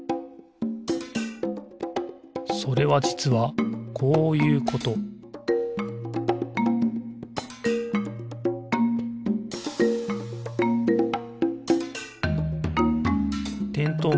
それはじつはこういうことてんとう